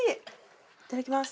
いただきます。